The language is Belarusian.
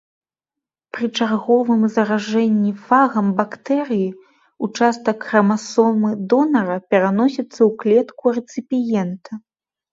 Пры чарговым заражэнні фагам бактэрыі ўчастак храмасомы донара пераносіцца ў клетку рэцыпіента.